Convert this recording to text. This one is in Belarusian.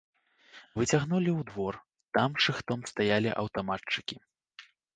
Выцягнулі ў двор, там шыхтом стаялі аўтаматчыкі.